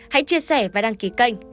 hãy chia sẻ và đăng ký kênh